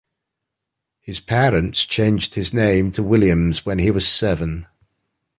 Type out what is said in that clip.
His parents changed his name to Williams when he was seven.